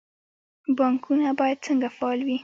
بانکونه باید څنګه فعال وي؟